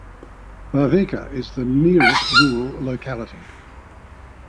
Barvikha is the nearest rural locality.